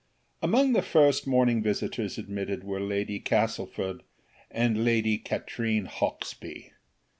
Among the first morning visitors admitted were Lady Castlefort and Lady Katrine Hawksby.